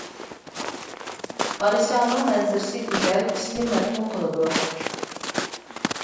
ئارىشاڭنىڭ مەنزىرىسى گۈزەل، كىشىنى مەپتۇن قىلىدۇ.